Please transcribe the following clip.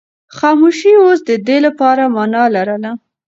خاموشي اوس د ده لپاره مانا لرله.